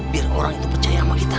biar orang itu percaya sama kita